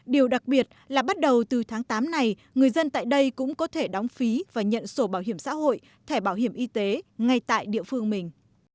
điều đặc biệt là bắt đầu từ tháng tám này người dân tại đây cũng có thể đóng phí và nhận sổ bảo hiểm xã hội thẻ bảo hiểm y tế ngay tại địa phương mình